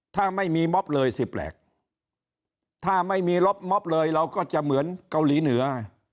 ถ้าไม่มีม็อบเลยสิแปลกถ้าไม่มีล็อบม็อบเลยเราก็จะเหมือนเกาหลีเหนือ